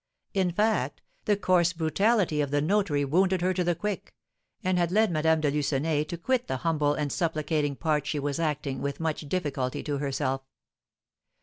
In fact, the coarse brutality of the notary wounded her to the quick, and had led Madame de Lucenay to quit the humble and supplicating part she was acting with much difficulty to herself.